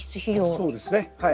そうですねはい。